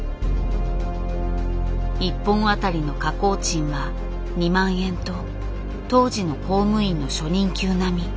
１本あたりの加工賃は２万円と当時の公務員の初任給並み。